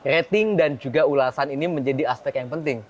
rating dan juga ulasan ini menjadi aspek yang penting